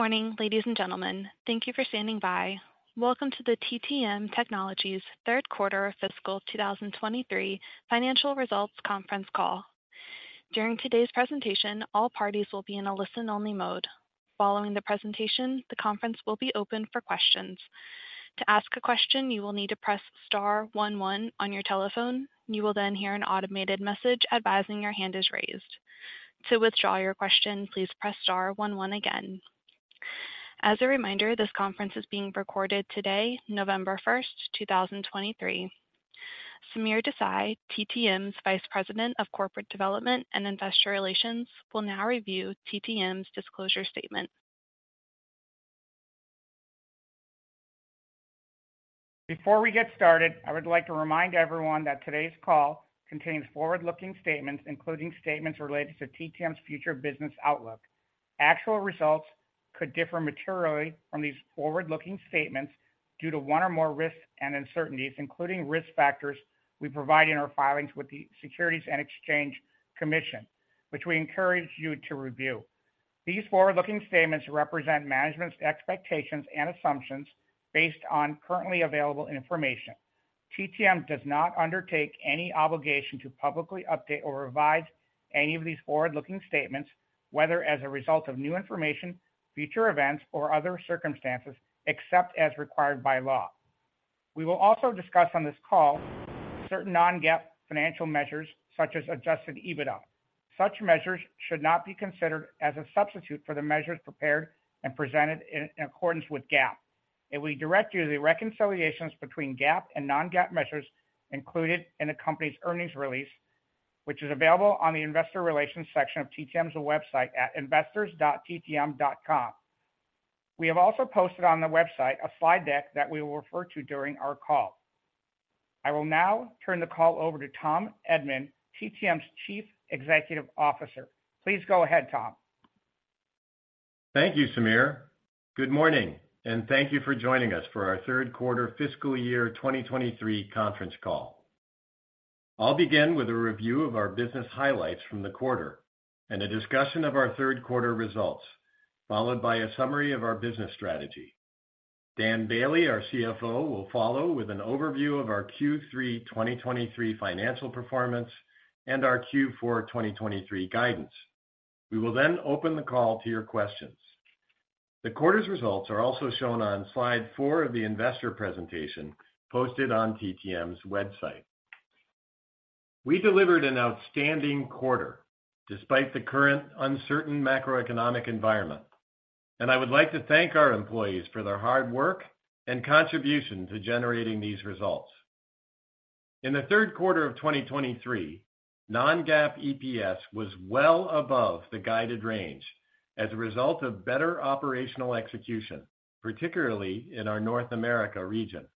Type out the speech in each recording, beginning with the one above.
Good morning, ladies and gentlemen. Thank you for standing by. Welcome to the TTM Technologies third quarter fiscal 2023 financial results conference call. During today's presentation, all parties will be in a listen-only mode. Following the presentation, the conference will be open for questions. To ask a question, you will need to press star one one on your telephone. You will then hear an automated message advising your hand is raised. To withdraw your question, please press star one one again. As a reminder, this conference is being recorded today, November first, two thousand and twenty-three. Sameer Desai, TTM's Vice President of Corporate Development and Investor Relations, will now review TTM's disclosure statement. Before we get started, I would like to remind everyone that today's call contains forward-looking statements, including statements related to TTM's future business outlook. Actual results could differ materially from these forward-looking statements due to one or more risks and uncertainties, including risk factors we provide in our filings with the Securities and Exchange Commission, which we encourage you to review. These forward-looking statements represent management's expectations and assumptions based on currently available information. TTM does not undertake any obligation to publicly update or revise any of these forward-looking statements, whether as a result of new information, future events, or other circumstances, except as required by law. We will also discuss on this call certain non-GAAP financial measures, such as Adjusted EBITDA. Such measures should not be considered as a substitute for the measures prepared and presented in accordance with GAAP. We direct you to the reconciliations between GAAP and non-GAAP measures included in the company's earnings release, which is available on the investor relations section of TTM's website at investors.ttm.com. We have also posted on the website a slide deck that we will refer to during our call. I will now turn the call over to Tom Edman, TTM's Chief Executive Officer. Please go ahead, Tom. Thank you, Sameer. Good morning, and thank you for joining us for our third quarter fiscal year 2023 conference call. I'll begin with a review of our business highlights from the quarter and a discussion of our third quarter results, followed by a summary of our business strategy. Dan Boehle, our CFO, will follow with an overview of our Q3 2023 financial performance and our Q4 2023 guidance. We will then open the call to your questions. The quarter's results are also shown on Slide 4 of the investor presentation posted on TTM's website. We delivered an outstanding quarter despite the current uncertain macroeconomic environment, and I would like to thank our employees for their hard work and contribution to generating these results. In the third quarter of 2023, non-GAAP EPS was well above the guided range as a result of better operational execution, particularly in our North America region.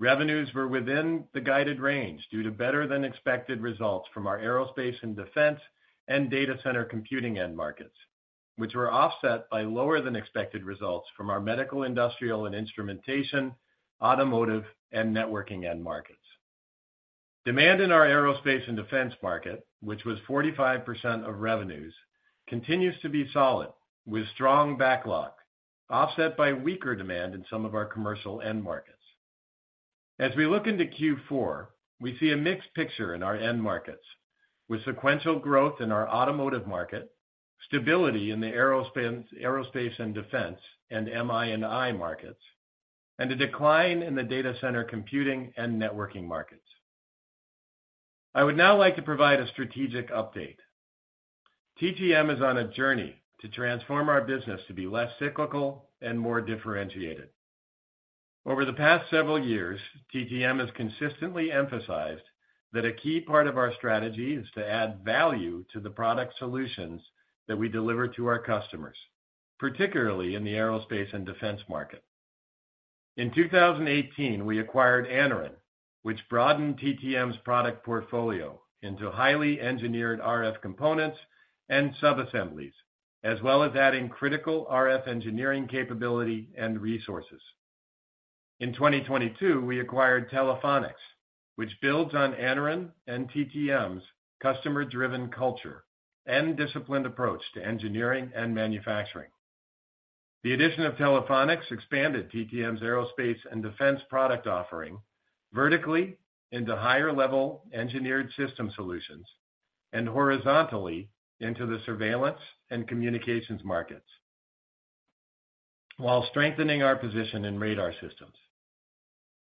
Revenues were within the guided range due to better-than-expected results from our aerospace and defense and data center computing end markets, which were offset by lower-than-expected results from our medical, industrial and instrumentation, automotive, and networking end markets. Demand in our aerospace and defense market, which was 45% of revenues, continues to be solid, with strong backlog, offset by weaker demand in some of our commercial end markets. As we look into Q4, we see a mixed picture in our end markets, with sequential growth in our automotive market, stability in the aerospace and defense and MI&I markets, and a decline in the data center computing and networking markets. I would now like to provide a strategic update. TTM is on a journey to transform our business to be less cyclical and more differentiated. Over the past several years, TTM has consistently emphasized that a key part of our strategy is to add value to the product solutions that we deliver to our customers, particularly in the aerospace and defense market. In 2018, we acquired Anaren, which broadened TTM's product portfolio into highly engineered RF components and subassemblies, as well as adding critical RF engineering capability and resources. In 2022, we acquired Telephonics, which builds on Anaren and TTM's customer-driven culture and disciplined approach to engineering and manufacturing. The addition of Telephonics expanded TTM's aerospace and defense product offering vertically into higher-level engineered system solutions and horizontally into the surveillance and communications markets, while strengthening our position in radar systems.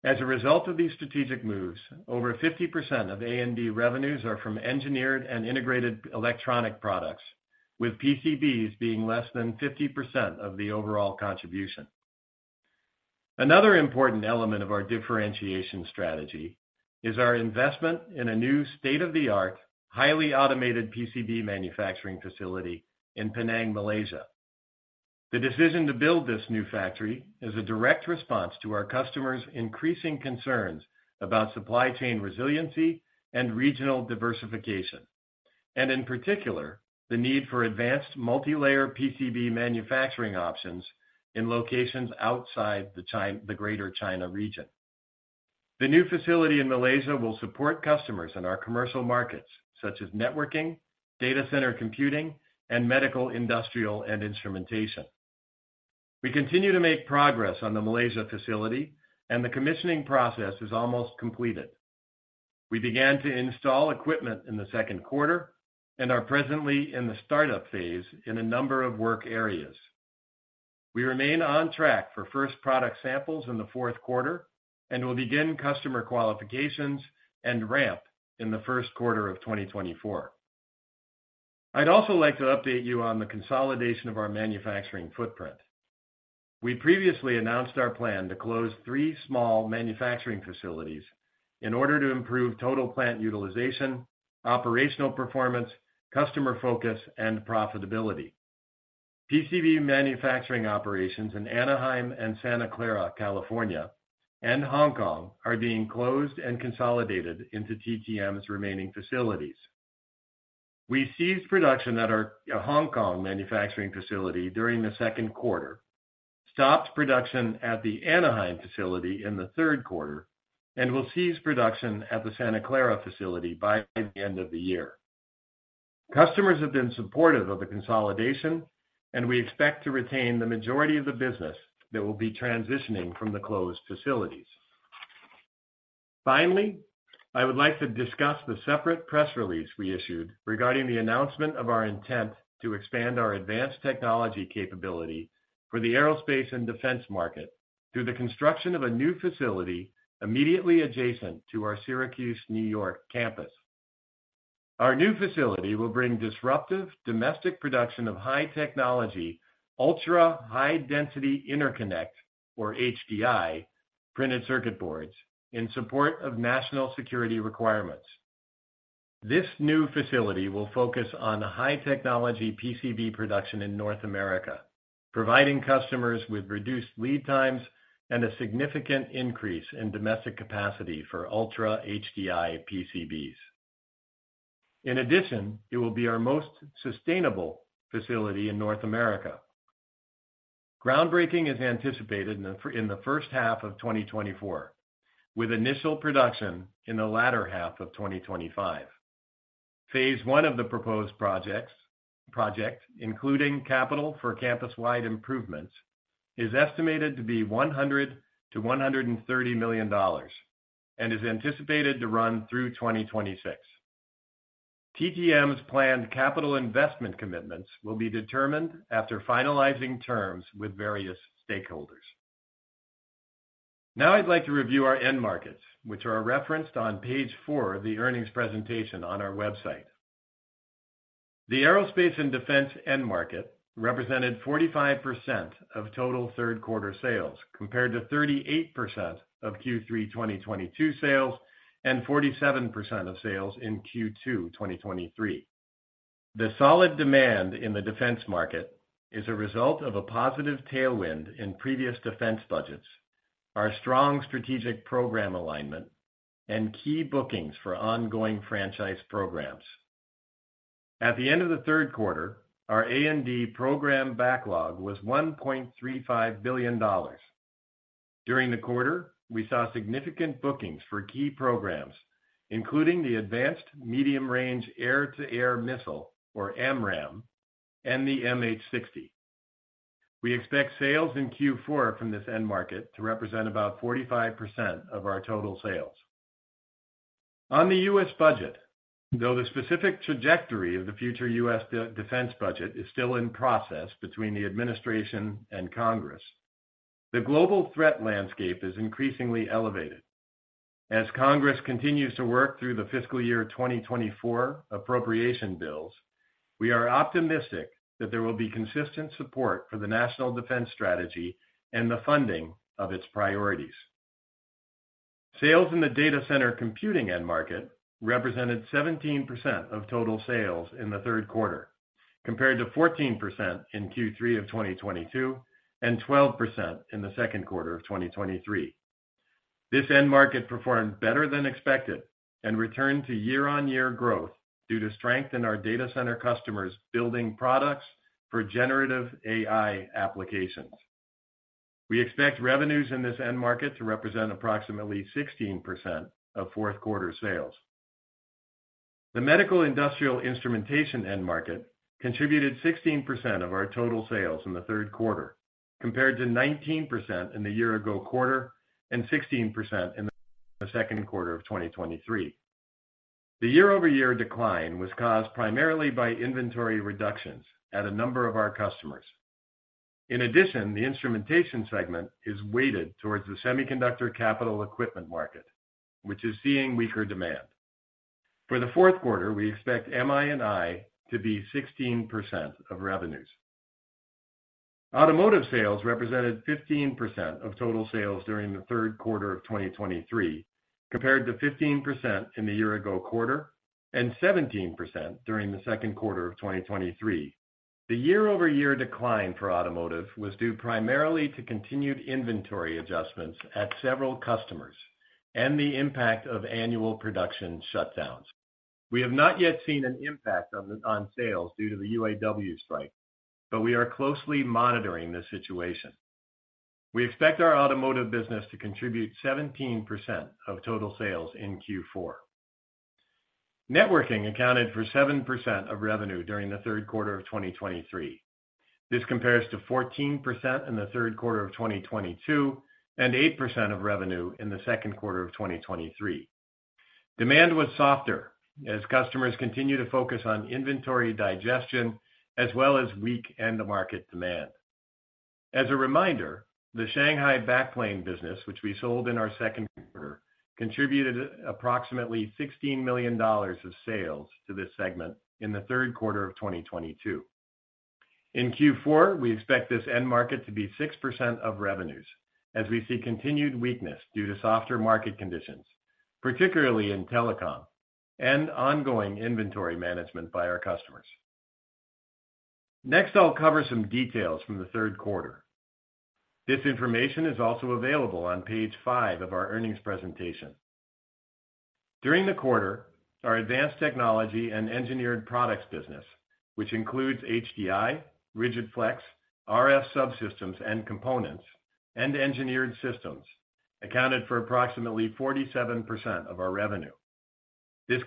As a result of these strategic moves, over 50% of A&D revenues are from engineered and integrated electronic products, with PCBs being less than 50% of the overall contribution. Another important element of our differentiation strategy is our investment in a new state-of-the-art, highly automated PCB manufacturing facility in Penang, Malaysia. The decision to build this new factory is a direct response to our customers' increasing concerns about supply chain resiliency and regional diversification, and in particular, the need for advanced multilayer PCB manufacturing options in locations outside the Greater China region. The new facility in Malaysia will support customers in our commercial markets, such as networking, data center computing, and medical, industrial, and instrumentation. We continue to make progress on the Malaysia facility, and the commissioning process is almost completed. We began to install equipment in the second quarter and are presently in the startup phase in a number of work areas. We remain on track for first product samples in the fourth quarter, and will begin customer qualifications and ramp in the first quarter of 2024. I'd also like to update you on the consolidation of our manufacturing footprint. We previously announced our plan to close three small manufacturing facilities in order to improve total plant utilization, operational performance, customer focus, and profitability. PCB manufacturing operations in Anaheim and Santa Clara, California, and Hong Kong, are being closed and consolidated into TTM's remaining facilities. We ceased production at our Hong Kong manufacturing facility during the second quarter, stopped production at the Anaheim facility in the third quarter, and will cease production at the Santa Clara facility by the end of the year. Customers have been supportive of the consolidation, and we expect to retain the majority of the business that will be transitioning from the closed facilities. Finally, I would like to discuss the separate press release we issued regarding the announcement of our intent to expand our advanced technology capability for the aerospace and defense market, through the construction of a new facility immediately adjacent to our Syracuse, New York, campus. Our new facility will bring disruptive domestic production of high-technology, ultra high-density interconnect, or HDI, printed circuit boards in support of national security requirements. This new facility will focus on high-technology PCB production in North America, providing customers with reduced lead times and a significant increase in domestic capacity for Ultra HDI PCBs. In addition, it will be our most sustainable facility in North America. Groundbreaking is anticipated in the first half of 2024, with initial production in the latter half of 2025. Phase one of the proposed project, including capital for campus-wide improvements, is estimated to be $100 million-$130 million, and is anticipated to run through 2026. TTM's planned capital investment commitments will be determined after finalizing terms with various stakeholders. Now I'd like to review our end markets, which are referenced on Page 4 of the earnings presentation on our website. The aerospace and defense end market represented 45% of total third quarter sales, compared to 38% of Q3 2022 sales and 47% of sales in Q2 2023. The solid demand in the defense market is a result of a positive tailwind in previous defense budgets, our strong strategic program alignment, and key bookings for ongoing franchise programs. At the end of the third quarter, our A&D program backlog was $1.35 billion. During the quarter, we saw significant bookings for key programs, including the Advanced Medium-Range Air-to-Air Missile, or AMRAAM, and the MH-60. We expect sales in Q4 from this end market to represent about 45% of our total sales. On the U.S. budget, though the specific trajectory of the future U.S. defense budget is still in process between the administration and Congress, the global threat landscape is increasingly elevated. As Congress continues to work through the fiscal year 2024 appropriation bills, we are optimistic that there will be consistent support for the National Defense Strategy and the funding of its priorities. Sales in the data center computing end market represented 17% of total sales in the third quarter, compared to 14% in Q3 of 2022, and 12% in the second quarter of 2023. This end market performed better than expected and returned to year-on-year growth due to strength in our data center customers building products for generative AI applications. We expect revenues in this end market to represent approximately 16% of fourth quarter sales. The medical, industrial, and instrumentation end market contributed 16% of our total sales in the third quarter, compared to 19% in the year-ago quarter and 16% in the second quarter of 2023. The year-over-year decline was caused primarily by inventory reductions at a number of our customers. In addition, the instrumentation segment is weighted towards the semiconductor capital equipment market, which is seeing weaker demand. For the fourth quarter, we expect MI&I to be 16% of revenues. Automotive sales represented 15% of total sales during the third quarter of 2023, compared to 15% in the year-ago quarter and 17% during the second quarter of 2023. The year-over-year decline for automotive was due primarily to continued inventory adjustments at several customers and the impact of annual production shutdowns. We have not yet seen an impact on the sales due to the UAW strike, but we are closely monitoring the situation. We expect our automotive business to contribute 17% of total sales in Q4. Networking accounted for 7% of revenue during the third quarter of 2023. This compares to 14% in the third quarter of 2022, and 8% of revenue in the second quarter of 2023. Demand was softer as customers continue to focus on inventory digestion, as well as weak end market demand. As a reminder, the Shanghai backplane business, which we sold in our second quarter, contributed approximately $16 million of sales to this segment in the third quarter of 2022. In Q4, we expect this end market to be 6% of revenues, as we see continued weakness due to softer market conditions, particularly in telecom and ongoing inventory management by our customers. Next, I'll cover some details from the third quarter. This information is also available on Page 5 of our earnings presentation. During the quarter, our advanced technology and engineered products business, which includes HDI, rigid flex, RF subsystems and components, and engineered systems, accounted for approximately 47% of our revenue. This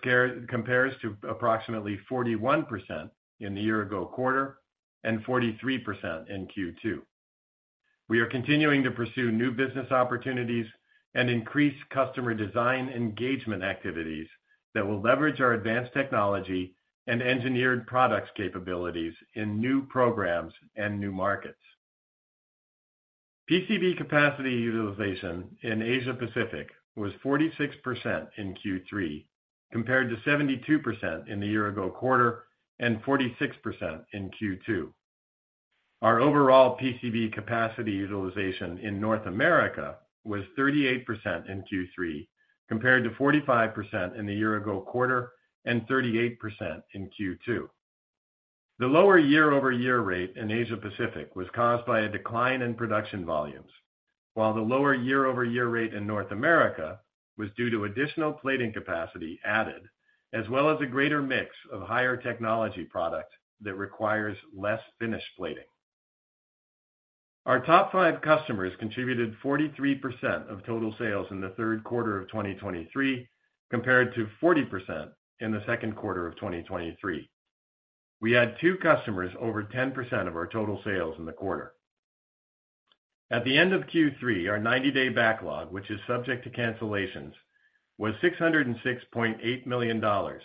compares to approximately 41% in the year ago quarter and 43% in Q2. We are continuing to pursue new business opportunities and increase customer design engagement activities that will leverage our advanced technology and engineered products capabilities in new programs and new markets. PCB capacity utilization in Asia Pacific was 46% in Q3, compared to 72% in the year ago quarter and 46% in Q2. Our overall PCB capacity utilization in North America was 38% in Q3, compared to 45% in the year ago quarter and 38% in Q2. The lower year-over-year rate in Asia Pacific was caused by a decline in production volumes, while the lower year-over-year rate in North America was due to additional plating capacity added, as well as a greater mix of higher technology product that requires less finished plating. Our top five customers contributed 43% of total sales in the third quarter of 2023, compared to 40% in the second quarter of 2023. We had two customers over 10% of our total sales in the quarter. At the end of Q3, our 90-day backlog, which is subject to cancellations, was $606.8 million,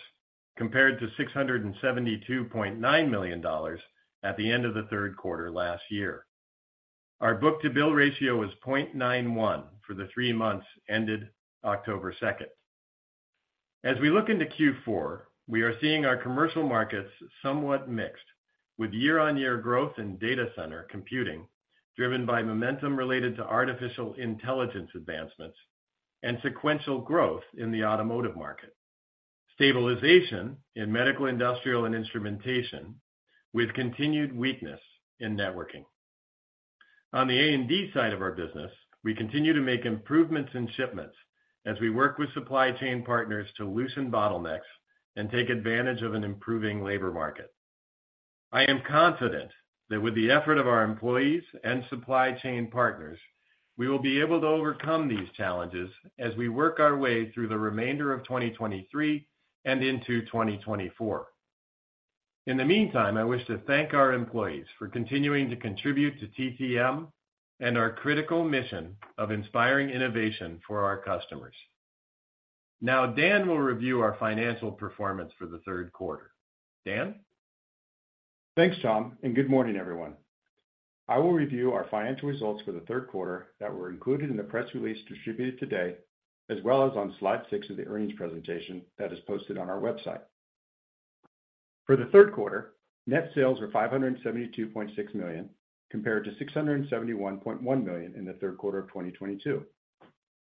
compared to $672.9 million at the end of the third quarter last year. Our book-to-bill ratio was 0.91 for the three months ended October 2. As we look into Q4, we are seeing our commercial markets somewhat mixed, with year-on-year growth in data center computing, driven by momentum related to artificial intelligence advancements and sequential growth in the automotive market. Stabilization in medical, industrial, and instrumentation, with continued weakness in networking. On the A&D side of our business, we continue to make improvements in shipments as we work with supply chain partners to loosen bottlenecks and take advantage of an improving labor market. I am confident that with the effort of our employees and supply chain partners, we will be able to overcome these challenges as we work our way through the remainder of 2023 and into 2024. In the meantime, I wish to thank our employees for continuing to contribute to TTM and our critical mission of inspiring innovation for our customers. Now, Dan will review our financial performance for the third quarter. Dan? Thanks, Tom, and good morning, everyone. I will review our financial results for the third quarter that were included in the press release distributed today, as well as on Slide 6 of the earnings presentation that is posted on our website. For the third quarter, net sales were $572.6 million, compared to $671.1 million in the third quarter of 2022.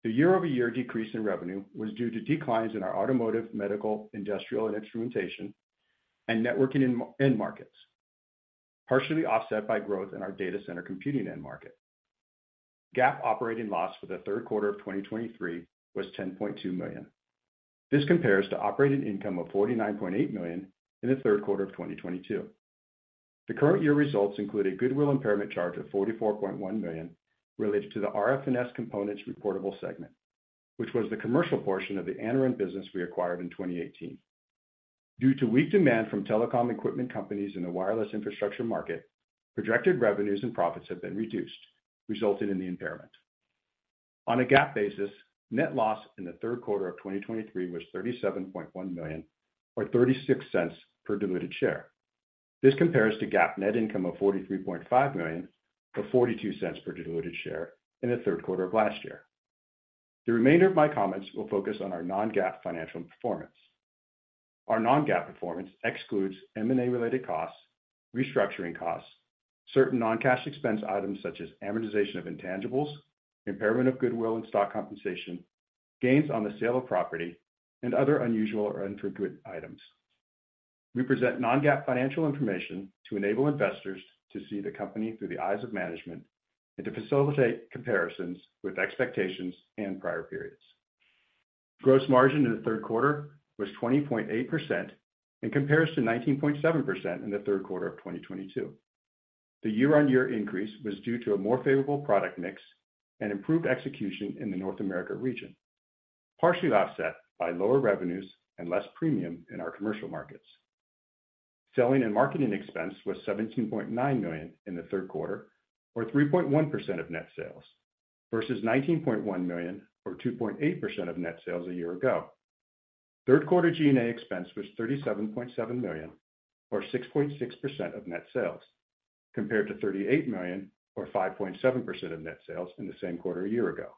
The year-over-year decrease in revenue was due to declines in our automotive, medical, industrial, and instrumentation, and networking end markets, partially offset by growth in our data center computing end market. GAAP operating loss for the third quarter of 2023 was $10.2 million. This compares to operating income of $49.8 million in the third quarter of 2022. The current year results include a goodwill impairment charge of $44.1 million, related to the RF&S components reportable segment, which was the commercial portion of the Anaren business we acquired in 2018. Due to weak demand from telecom equipment companies in the wireless infrastructure market, projected revenues and profits have been reduced, resulting in the impairment. On a GAAP basis, net loss in the third quarter of 2023 was $37.1 million or $0.36 per diluted share. This compares to GAAP net income of $43.5 million, or $0.42 per diluted share in the third quarter of last year. The remainder of my comments will focus on our non-GAAP financial performance. Our non-GAAP performance excludes M&A-related costs, restructuring costs, certain non-cash expense items such as amortization of intangibles, impairment of goodwill and stock compensation, gains on the sale of property, and other unusual or non-recurring items.... We present non-GAAP financial information to enable investors to see the company through the eyes of management and to facilitate comparisons with expectations and prior periods. Gross margin in the third quarter was 20.8% in comparison to 19.7% in the third quarter of 2022. The year-on-year increase was due to a more favorable product mix and improved execution in the North America region, partially offset by lower revenues and less premium in our commercial markets. Selling and marketing expense was $17.9 million in the third quarter, or 3.1% of net sales, versus $19.1 million, or 2.8% of net sales a year ago. Third quarter G&A expense was $37.7 million, or 6.6% of net sales, compared to $38 million, or 5.7% of net sales in the same quarter a year ago.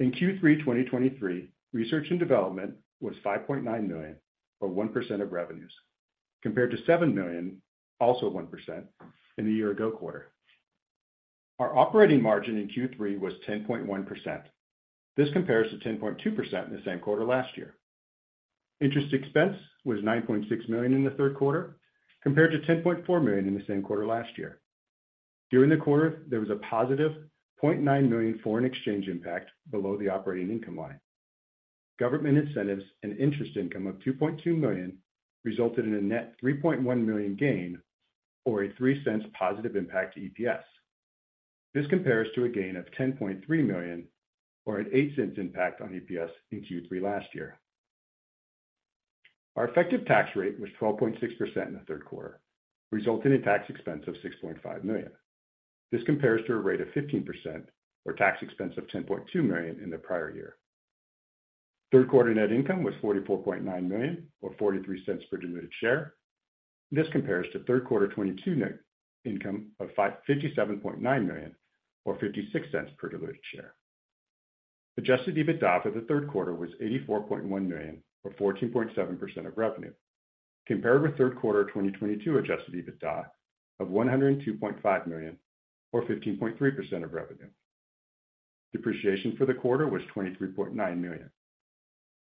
In Q3 2023, research and development was $5.9 million, or 1% of revenues, compared to $7 million, also 1%, in the year ago quarter. Our operating margin in Q3 was 10.1%. This compares to 10.2% in the same quarter last year. Interest expense was $9.6 million in the third quarter, compared to $10.4 million in the same quarter last year. During the quarter, there was a positive $0.9 million foreign exchange impact below the operating income line. Government incentives and interest income of $2.2 million resulted in a net $3.1 million gain, or a $0.03 positive impact to EPS. This compares to a gain of $10.3 million, or an $0.08 impact on EPS in Q3 last year. Our effective tax rate was 12.6% in the third quarter, resulting in tax expense of $6.5 million. This compares to a rate of 15%, or tax expense of $10.2 million in the prior year. Third quarter net income was $44.9 million, or $0.43 per diluted share. This compares to third quarter 2022 net income of $57.9 million, or $0.56 per diluted share. Adjusted EBITDA for the third quarter was $84.1 million, or 14.7% of revenue, compared with third quarter 2022 adjusted EBITDA of $102.5 million, or 15.3% of revenue. Depreciation for the quarter was $23.9 million.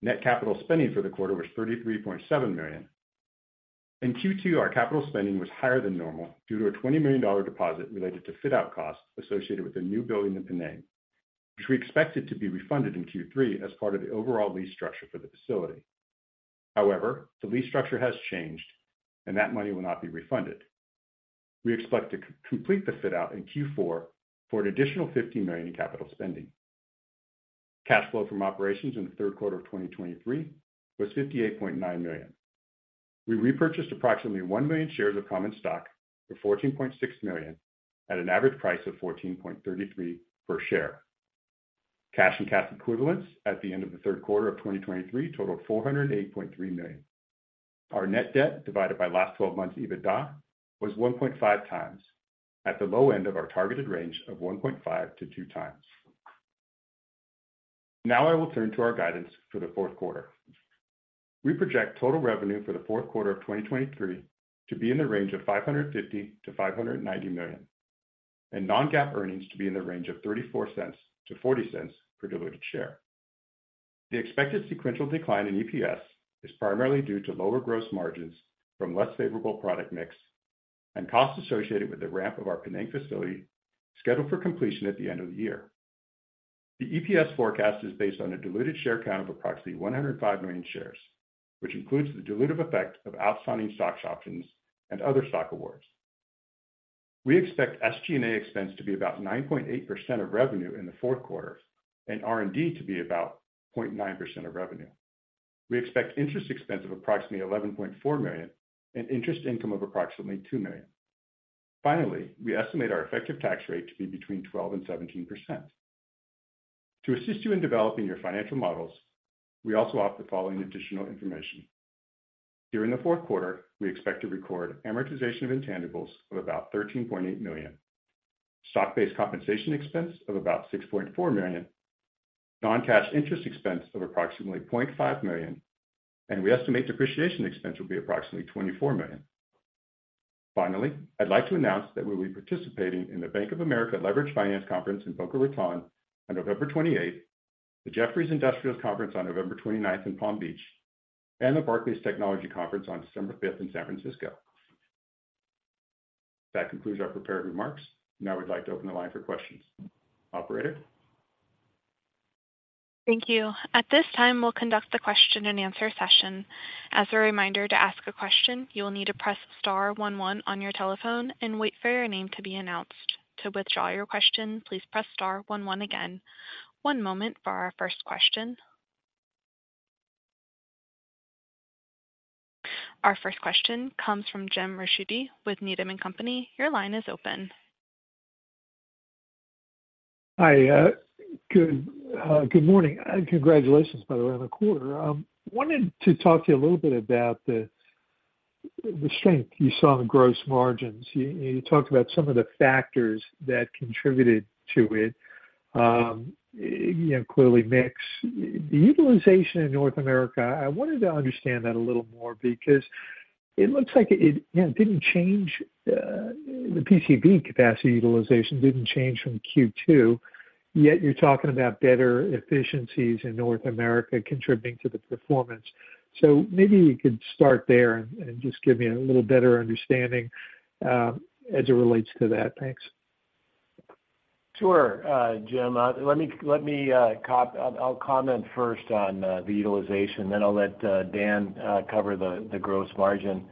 Net capital spending for the quarter was $33.7 million. In Q2, our capital spending was higher than normal due to a $20 million deposit related to fit-out costs associated with a new building in Penang, which we expected to be refunded in Q3 as part of the overall lease structure for the facility. However, the lease structure has changed, and that money will not be refunded. We expect to complete the fit-out in Q4 for an additional $15 million in capital spending. Cash flow from operations in the third quarter of 2023 was $58.9 million. We repurchased approximately 1 million shares of common stock for $14.6 million, at an average price of $14.33 per share. Cash and cash equivalents at the end of the third quarter of 2023 totaled $408.3 million. Our net debt, divided by last 12 months EBITDA, was 1.5x, at the low end of our targeted range of 1.5-2x. Now I will turn to our guidance for the fourth quarter. We project total revenue for the fourth quarter of 2023 to be in the range of $550 million-$590 million, and non-GAAP earnings to be in the range of $0.34-$0.40 per diluted share. The expected sequential decline in EPS is primarily due to lower gross margins from less favorable product mix and costs associated with the ramp of our Penang facility, scheduled for completion at the end of the year. The EPS forecast is based on a diluted share count of approximately 105 million shares, which includes the dilutive effect of outstanding stock options and other stock awards. We expect SG&A expense to be about 9.8% of revenue in the fourth quarter and R&D to be about 0.9% of revenue. We expect interest expense of approximately $11.4 million and interest income of approximately $2 million. Finally, we estimate our effective tax rate to be between 12% and 17%. To assist you in developing your financial models, we also offer the following additional information: During the fourth quarter, we expect to record amortization of intangibles of about $13.8 million, stock-based compensation expense of about $6.4 million, non-cash interest expense of approximately $0.5 million, and we estimate depreciation expense will be approximately $24 million. Finally, I'd like to announce that we'll be participating in the Bank of America Leveraged Finance Conference in Boca Raton on November 28, the Jefferies Industrials Conference on November 29 in Palm Beach, and the Barclays Technology Conference on December 5 in San Francisco. That concludes our prepared remarks. Now we'd like to open the line for questions. Operator? Thank you. At this time, we'll conduct the question-and-answer session. As a reminder, to ask a question, you will need to press star one one on your telephone and wait for your name to be announced. To withdraw your question, please press star one one again. One moment for our first question. Our first question comes from Jim Ricchiuti with Needham & Company. Your line is open. Hi, good morning, and congratulations, by the way, on the quarter. Wanted to talk to you a little bit about the strength you saw in the gross margins. You talked about some of the factors that contributed to it. You know, clearly mix. The utilization in North America, I wanted to understand that a little more because it looks like it, you know, didn't change, the PCB capacity utilization didn't change from Q2, yet you're talking about better efficiencies in North America contributing to the performance. So maybe you could start there and just give me a little better understanding, as it relates to that. Thanks. Sure, Jim. Let me comment first on the utilization, then I'll let Dan cover the gross margin.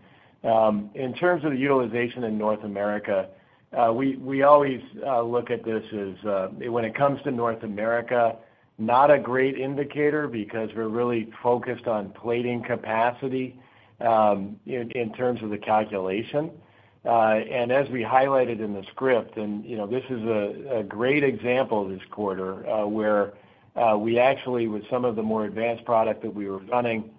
In terms of the utilization in North America, we always look at this as, when it comes to North America, not a great indicator because we're really focused on plating capacity in terms of the calculation. And as we highlighted in the script, you know, this is a great example this quarter, where we actually, with some of the more advanced product that we were running,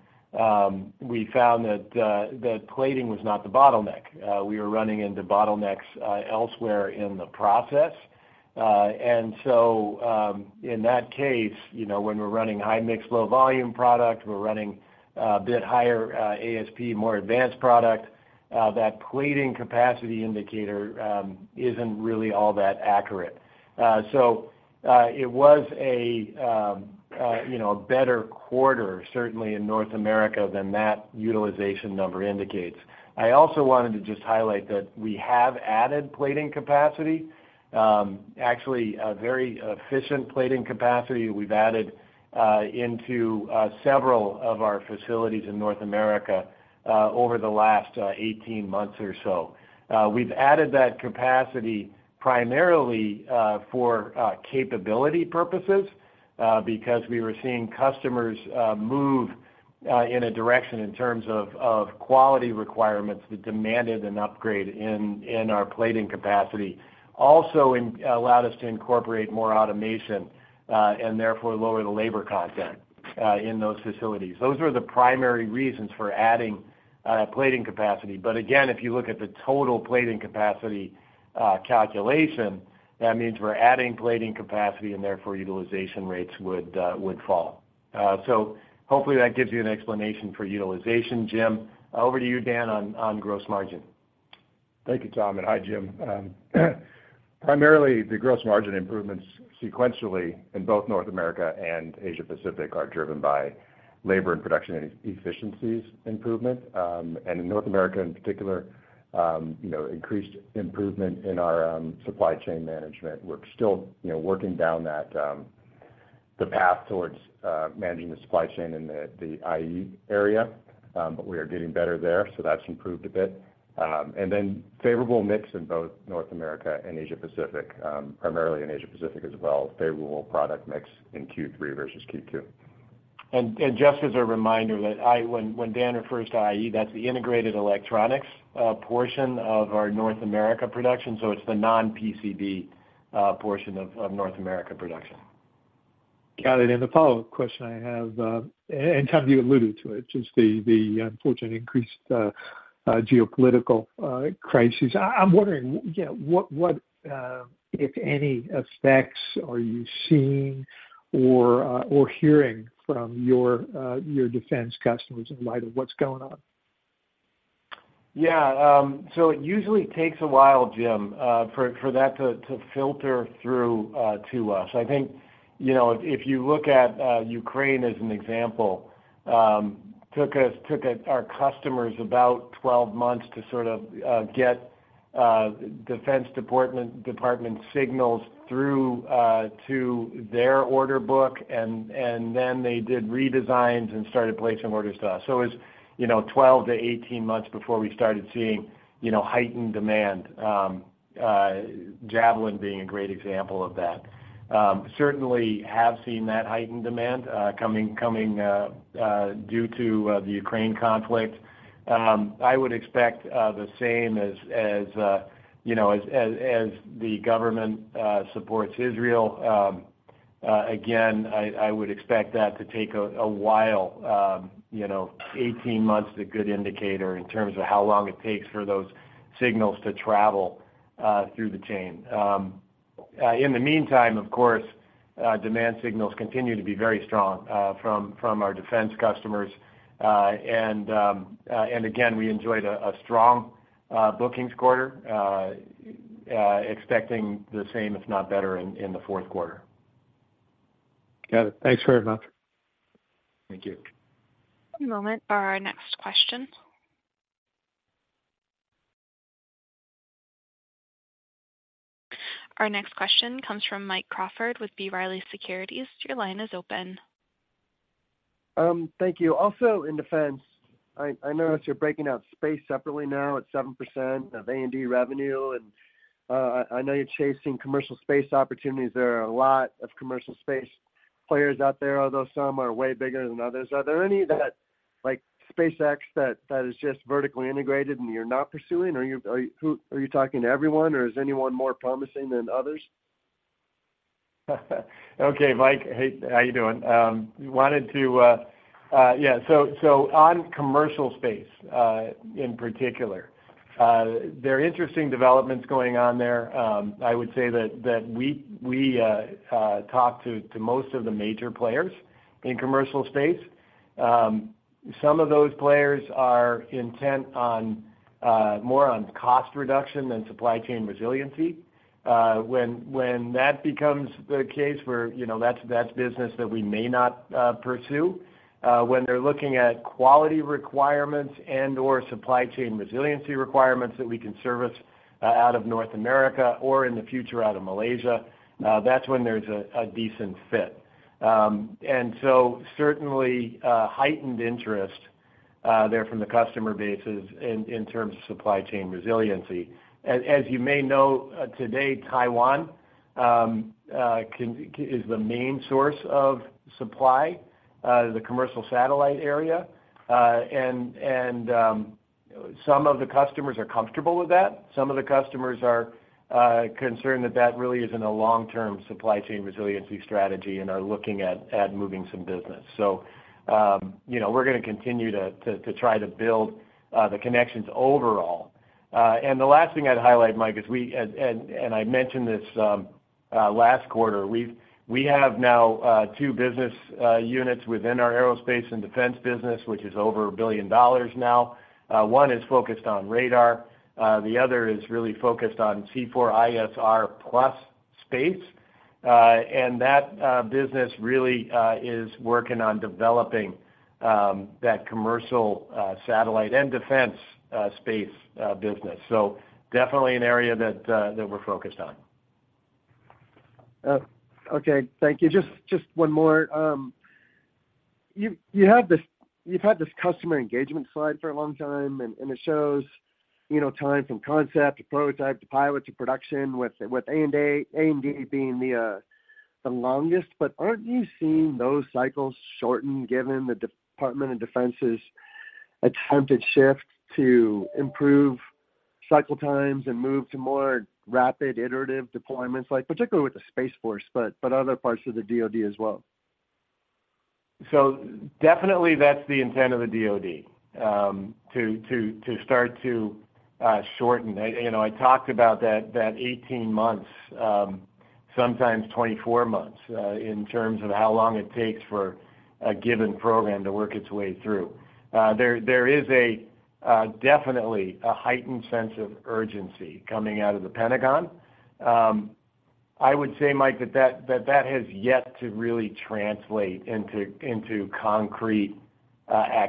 we found that plating was not the bottleneck. We were running into bottlenecks elsewhere in the process. And so, in that case, you know, when we're running high-mix, low-volume product, we're running a bit higher ASP, more advanced product, that plating capacity indicator isn't really all that accurate. So, it was a, you know, a better quarter, certainly in North America, than that utilization number indicates. I also wanted to just highlight that we have added plating capacity, actually, a very efficient plating capacity we've added into several of our facilities in North America over the last 18 months or so. We've added that capacity primarily for capability purposes because we were seeing customers move in a direction in terms of quality requirements that demanded an upgrade in our plating capacity. Also, allowed us to incorporate more automation, and therefore, lower the labor content, in those facilities. Those were the primary reasons for adding plating capacity. But again, if you look at the total plating capacity calculation, that means we're adding plating capacity, and therefore, utilization rates would fall. So hopefully, that gives you an explanation for utilization, Jim. Over to you, Dan, on gross margin. Thank you, Tom, and hi, Jim. Primarily, the gross margin improvements sequentially in both North America and Asia Pacific are driven by labor and production efficiencies improvement. And in North America, in particular, you know, increased improvement in our supply chain management. We're still, you know, working down that, the path towards managing the supply chain in the IE area, but we are getting better there, so that's improved a bit. And then favorable mix in both North America and Asia Pacific, primarily in Asia Pacific as well, favorable product mix in Q3 versus Q2. Just as a reminder, that when Dan refers to IE, that's the integrated electronics portion of our North America production, so it's the non-PCB portion of North America production. Got it. And the follow-up question I have, and Tom, you alluded to it, just the unfortunate increased geopolitical crisis. I'm wondering, you know, what, if any, effects are you seeing or hearing from your defense customers in light of what's going on? Yeah, so it usually takes a while, Jim, for that to filter through to us. I think, you know, if you look at Ukraine as an example, took our customers about 12 months to sort of get defense department signals through to their order book, and then they did redesigns and started placing orders to us. So it's, you know, 12-18 months before we started seeing, you know, heightened demand, Javelin being a great example of that. Certainly have seen that heightened demand coming due to the Ukraine conflict. I would expect the same as, you know, as the government supports Israel. Again, I would expect that to take a while, you know, 18 months is a good indicator in terms of how long it takes for those signals to travel through the chain. In the meantime, of course, demand signals continue to be very strong from our defense customers. And again, we enjoyed a strong bookings quarter, expecting the same, if not better, in the fourth quarter. Got it. Thanks very much. Thank you. One moment for our next question. Our next question comes from Mike Crawford with B. Riley Securities. Your line is open. Thank you. Also, in defense, I noticed you're breaking out space separately now at 7% of A&D revenue, and I know you're chasing commercial space opportunities. There are a lot of commercial space players out there, although some are way bigger than others. Are there any that, like SpaceX, that is just vertically integrated and you're not pursuing? Or are you talking to everyone, or is anyone more promising than others? Okay, Mike. Hey, how you doing? Wanted to... Yeah, so on commercial space in particular. There are interesting developments going on there. I would say that we talk to most of the major players in commercial space. Some of those players are intent on more on cost reduction than supply chain resiliency. When that becomes the case where, you know, that's business that we may not pursue. When they're looking at quality requirements and/or supply chain resiliency requirements that we can service out of North America or in the future, out of Malaysia, that's when there's a decent fit. And so certainly heightened interest there from the customer bases in terms of supply chain resiliency. As you may know, today, Taiwan is the main source of supply, the commercial satellite area. And some of the customers are comfortable with that. Some of the customers are concerned that that really isn't a long-term supply chain resiliency strategy and are looking at moving some business. So, you know, we're gonna continue to try to build the connections overall. And the last thing I'd highlight, Mike, is we and I mentioned this last quarter, we have now two business units within our aerospace and defense business, which is over $1 billion now. One is focused on radar, the other is really focused on C4ISR+ space. That business really is working on developing that commercial satellite and defense space business. Definitely an area that we're focused on. Okay, thank you. Just, just one more. You, you have this—you've had this customer engagement slide for a long time, and, and it shows, you know, time from concept to prototype, to pilot, to production, with, with A&A, A&D being the, the longest. But aren't you seeing those cycles shorten, given the Department of Defense's attempted shift to improve cycle times and move to more rapid iterative deployments, like, particularly with the Space Force, but, but other parts of the DoD as well? So definitely, that's the intent of the DoD to start to shorten. You know, I talked about that 18 months, sometimes 24 months, in terms of how long it takes for a given program to work its way through. There is definitely a heightened sense of urgency coming out of the Pentagon. I would say, Mike, that has yet to really translate into concrete,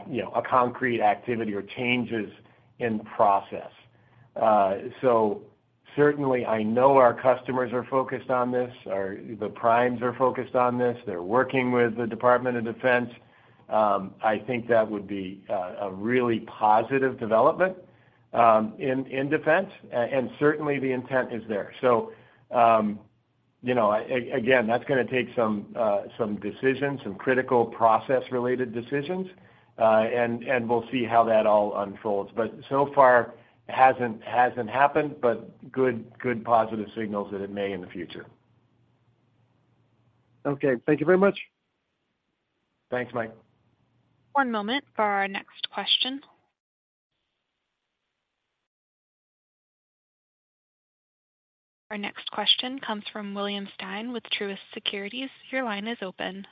you know, a concrete activity or changes in process. So certainly, I know our customers are focused on this. The primes are focused on this. They're working with the Department of Defense. I think that would be a really positive development in defense and certainly, the intent is there. So, you know, again, that's gonna take some, some decisions, some critical process-related decisions, and, and we'll see how that all unfolds. But so far, it hasn't, hasn't happened, but good, good positive signals that it may in the future. Okay. Thank you very much. Thanks, Mike. One moment for our next question. Our next question comes from William Stein with Truist Securities. Your line is open.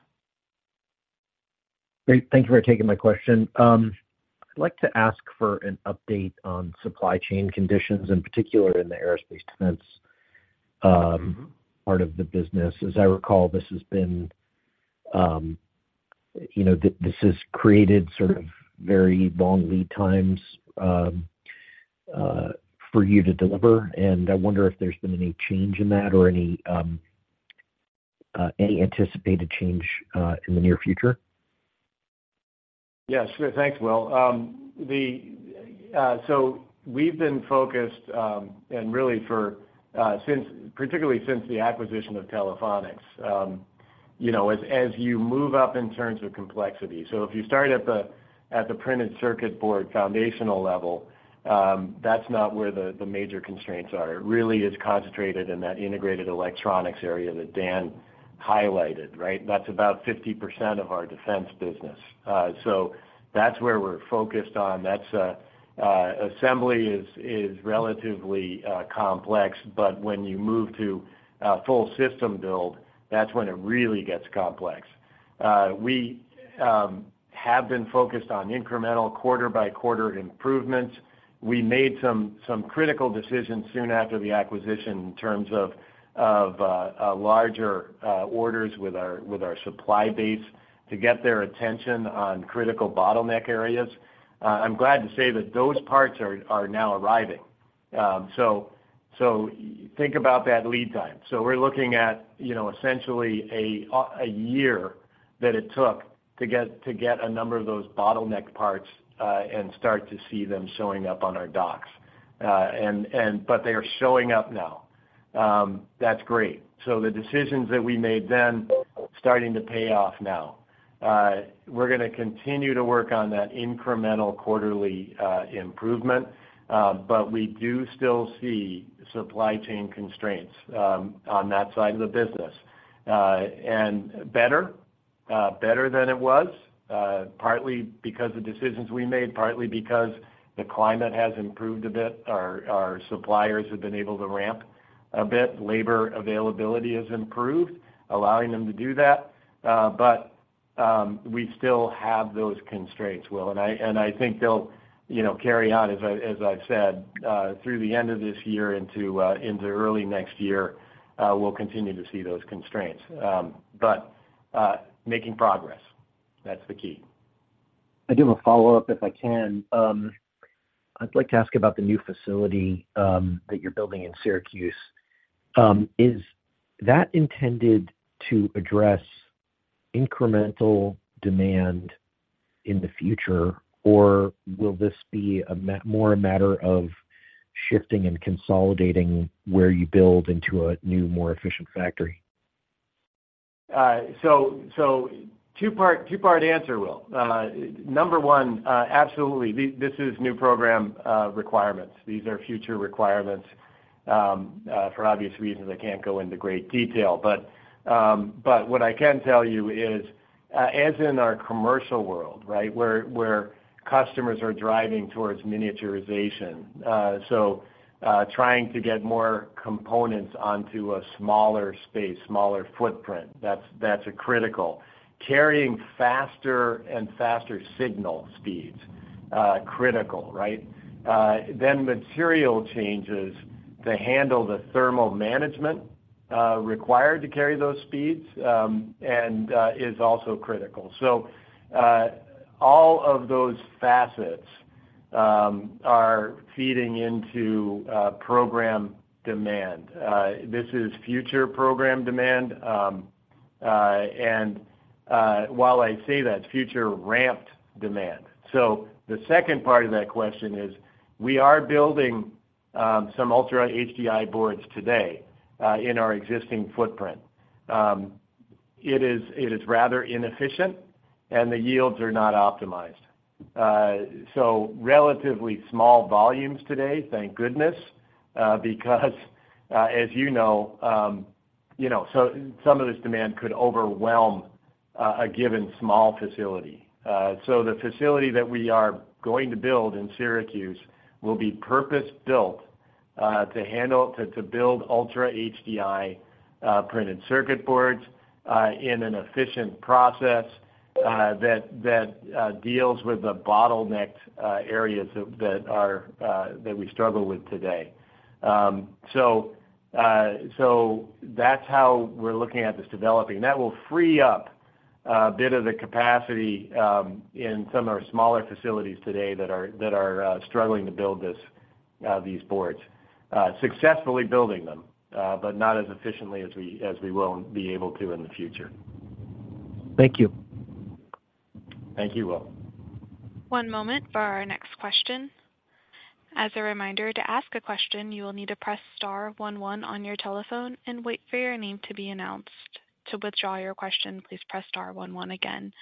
Great. Thank you for taking my question. I'd like to ask for an update on supply chain conditions, in particular in the aerospace and defense, part of the business. As I recall, this has been, you know, this has created sort of very long lead times, for you to deliver, and I wonder if there's been any change in that or any anticipated change, in the near future? Yes. Sure. Thanks, Will. The, so we've been focused, and really for, since, particularly since the acquisition of Telephonics. You know, as, as you move up in terms of complexity, so if you start at the, at the printed circuit board foundational level, that's not where the, the major constraints are. It really is concentrated in that integrated electronics area that Dan highlighted, right? That's about 50% of our defense business. So that's where we're focused on. That's, assembly is, is relatively, complex, but when you move to a full system build, that's when it really gets complex. We, have been focused on incremental quarter-by-quarter improvements. We made some critical decisions soon after the acquisition in terms of larger orders with our supply base to get their attention on critical bottleneck areas. I'm glad to say that those parts are now arriving. So think about that lead time. So we're looking at, you know, essentially a year that it took to get a number of those bottleneck parts and start to see them showing up on our docks. But they are showing up now. That's great. So the decisions that we made then, starting to pay off now. We're gonna continue to work on that incremental quarterly improvement, but we do still see supply chain constraints on that side of the business. And better?... Better than it was, partly because of decisions we made, partly because the climate has improved a bit. Our suppliers have been able to ramp a bit. Labor availability has improved, allowing them to do that, but we still have those constraints, Will, and I think they'll, you know, carry on, as I've said, through the end of this year into early next year, we'll continue to see those constraints. Making progress, that's the key. I do have a follow-up, if I can. I'd like to ask about the new facility that you're building in Syracuse. Is that intended to address incremental demand in the future, or will this be a more a matter of shifting and consolidating where you build into a new, more efficient factory? So, two part, two-part answer, Will. Number one, absolutely, this is new program requirements. These are future requirements, for obvious reasons, I can't go into great detail. But what I can tell you is, as in our commercial world, right, where customers are driving towards miniaturization, so trying to get more components onto a smaller space, smaller footprint, that's critical. Carrying faster and faster signal speeds, critical, right? Then material changes to handle the thermal management required to carry those speeds, and is also critical. So, all of those facets are feeding into program demand. This is future program demand. And while I say that, future ramped demand. So the second part of that question is, we are building some Ultra HDI boards today in our existing footprint. It is rather inefficient, and the yields are not optimized. So relatively small volumes today, thank goodness, because as you know, you know, so some of this demand could overwhelm a given small facility. So the facility that we are going to build in Syracuse will be purpose-built to handle, to build Ultra HDI printed circuit boards in an efficient process that deals with the bottleneck areas that we struggle with today. So that's how we're looking at this developing. That will free up a bit of the capacity in some of our smaller facilities today that are struggling to build these boards. Successfully building them, but not as efficiently as we will be able to in the future. Thank you. Thank you, Will. One moment for our next question. As a reminder, to ask a question, you will need to press star one one on your telephone and wait for your name to be announced. To withdraw your question, please press star one one again.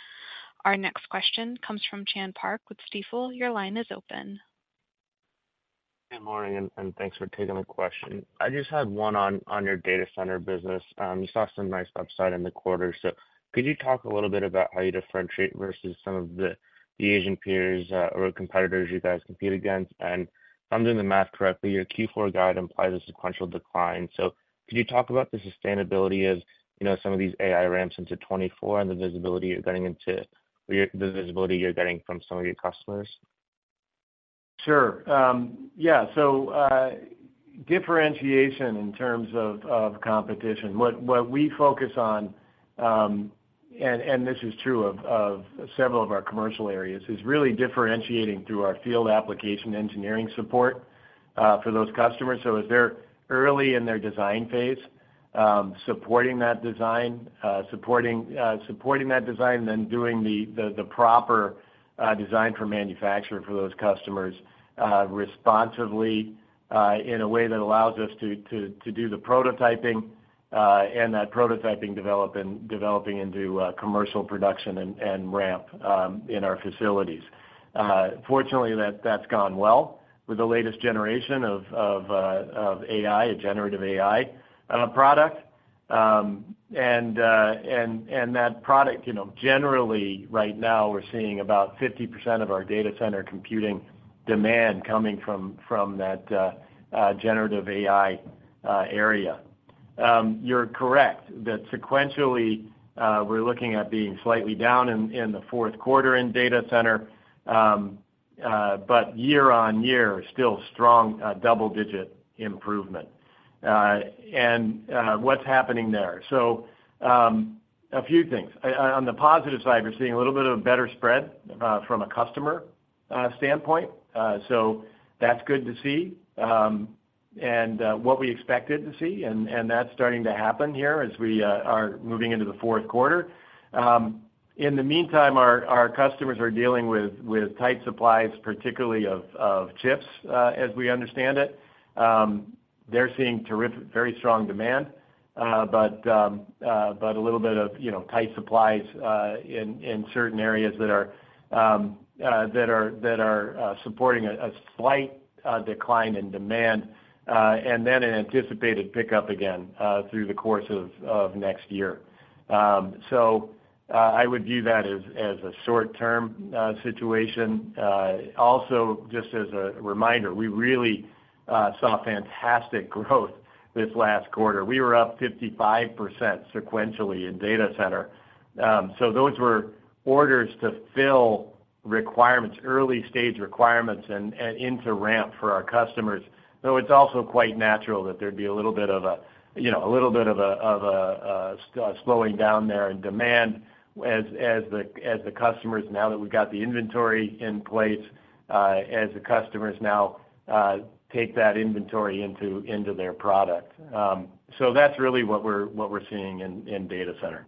Our next question comes from Cody Acree with Stifel. Your line is open. Good morning, and thanks for taking my question. I just had one on your data center business. You saw some nice upside in the quarter. So could you talk a little bit about how you differentiate versus some of the Asian peers or competitors you guys compete against? And if I'm doing the math correctly, your Q4 guide implies a sequential decline. So could you talk about the sustainability of, you know, some of these AI ramps into 2024 and the visibility you're getting from some of your customers? Sure. Yeah, so, differentiation in terms of competition. What we focus on, and this is true of several of our commercial areas, is really differentiating through our field application engineering support for those customers. So if they're early in their design phase, supporting that design, then doing the proper design for manufacturing for those customers, responsively, in a way that allows us to do the prototyping, and that prototyping developing into commercial production and ramp in our facilities. Fortunately, that's gone well with the latest generation of Generative AI product. And that product, you know, generally, right now, we're seeing about 50% of our data center computing demand coming from that generative AI area. You're correct, that sequentially, we're looking at being slightly down in the fourth quarter in data center, but year-on-year, still strong, double-digit improvement. And what's happening there? So, a few things. On the positive side, we're seeing a little bit of a better spread from a customer standpoint. So that's good to see, and what we expected to see, and that's starting to happen here as we are moving into the fourth quarter. In the meantime, our customers are dealing with tight supplies, particularly of chips, as we understand it. They're seeing terrific, very strong demand, but a little bit of, you know, tight supplies in certain areas that are supporting a slight decline in demand, and then an anticipated pickup again through the course of next year. So, I would view that as a short-term situation. Also, just as a reminder, we really saw fantastic growth this last quarter. We were up 55% sequentially in data center. So those were orders to fill requirements, early-stage requirements and into ramp for our customers. Though it's also quite natural that there'd be a little bit of a, you know, slowing down there in demand as the customers, now that we've got the inventory in place, take that inventory into their product. So that's really what we're seeing in data center.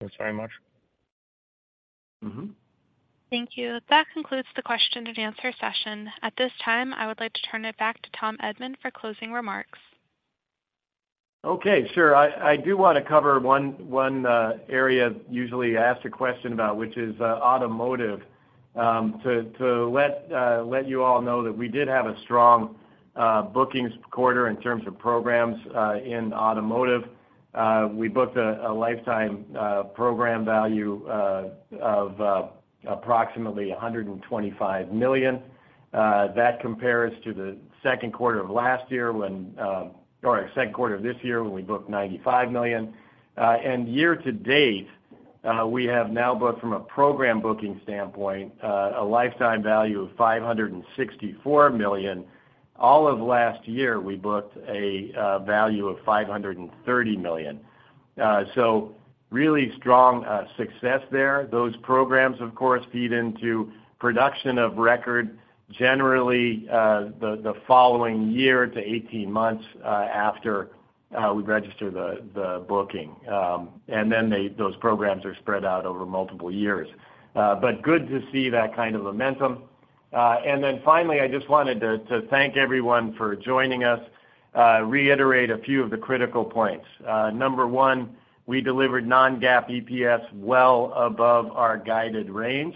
Thanks very much. Mm-hmm. Thank you. That concludes the question-and-answer session. At this time, I would like to turn it back to Tom Edman for closing remarks. Okay, sure. I do wanna cover one area usually asked a question about, which is automotive. To let you all know that we did have a strong bookings quarter in terms of programs in automotive. We booked a lifetime program value of approximately $125 million. That compares to the second quarter of this year, when we booked $95 million. And year to date, we have now booked from a program booking standpoint a lifetime value of $564 million. All of last year, we booked a value of $530 million. So really strong success there. Those programs, of course, feed into production of record, generally, the following year to 18 months, after we register the booking. And then they, those programs are spread out over multiple years. But good to see that kind of momentum. And then finally, I just wanted to thank everyone for joining us, reiterate a few of the critical points. Number one, we delivered non-GAAP EPS well above our guided range.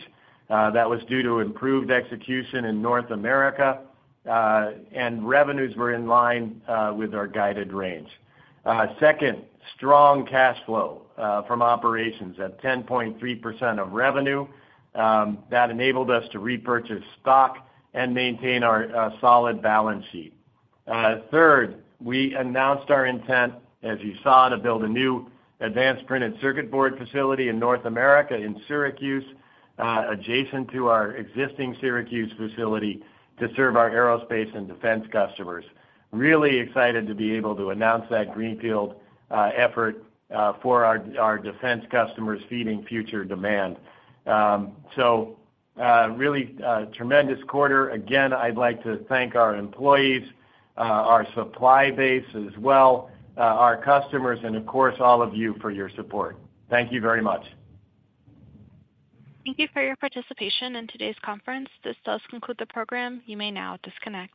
That was due to improved execution in North America, and revenues were in line with our guided range. Second, strong cash flow from operations at 10.3% of revenue. That enabled us to repurchase stock and maintain our solid balance sheet. Third, we announced our intent, as you saw, to build a new advanced printed circuit board facility in North America, in Syracuse, adjacent to our existing Syracuse facility, to serve our aerospace and defense customers. Really excited to be able to announce that greenfield effort for our defense customers, feeding future demand. So, really, a tremendous quarter. Again, I'd like to thank our employees, our supply base as well, our customers, and of course, all of you for your support. Thank you very much. Thank you for your participation in today's conference. This does conclude the program. You may now disconnect.